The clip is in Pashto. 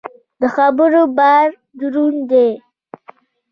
د خبرو بار دروند دی.